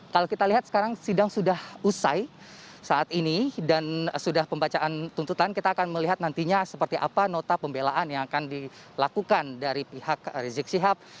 kalau kita lihat sekarang sidang sudah usai saat ini dan sudah pembacaan tuntutan kita akan melihat nantinya seperti apa nota pembelaan yang akan dilakukan dari pihak rizik sihab